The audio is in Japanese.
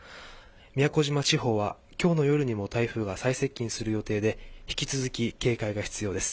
宮古島地方は、今日の夜にも台風が最接近する予想で引き続き警戒が必要です。